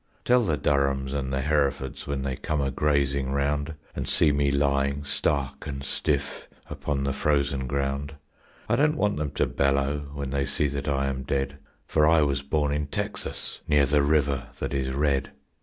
"Tell the Durhams and the Herefords When they come a grazing round, And see me lying stark and stiff Upon the frozen ground, I don't want them to bellow When they see that I am dead, For I was born in Texas Near the river that is Red.